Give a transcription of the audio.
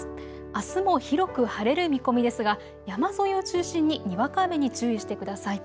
あすも広く晴れる見込みですが山沿いを中心ににわか雨に注意してください。